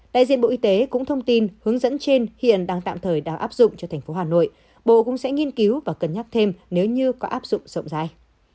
đại diện bộ y tế cũng thông tin hướng dẫn trên hiện đang tạm thời đang áp dụng cho thành phố hà nội bộ cũng sẽ nghiên cứu và cân nhắc thêm nếu như có áp dụng rộng rãi